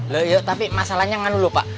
lho tapi masalahnya enggak dulu pak